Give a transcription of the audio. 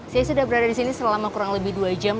saya sudah berada disini selama kurang lebih dua jam